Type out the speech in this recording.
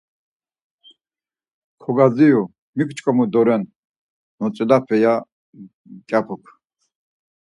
Kogadzirui, mik ç̌ǩomu doren notzilexepe? ya mǩyapuk.